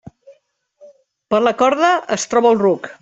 Per la corda es troba el ruc.